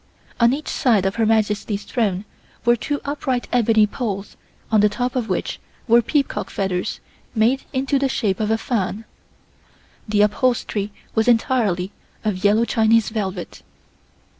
On each side of Her Majesty's throne were two upright ebony poles on the top of which were peacock feathers made into the shape of a fan The upholstery was entirely of yellow Chinese velvet.